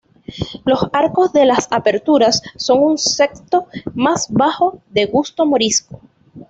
Los arcos de las aperturas son un sexto más bajo, de gusto morisco.